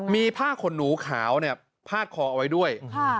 มีผ้าขนหนูขาวเนี่ยผ้าขอเอาไว้ด้วย